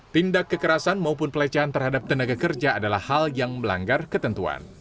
tindak kekerasan maupun pelecehan terhadap tenaga kerja adalah hal yang melanggar ketentuan